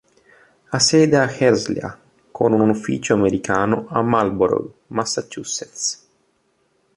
Ha sede a Herzliya, con un ufficio americano a Marlborough, Massachusetts.